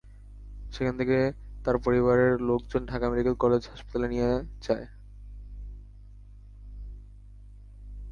সেখান থেকে তাঁর পরিবারের লোকজন ঢাকা মেডিকেল কলেজ হাসপাতালে নিয়ে যায়।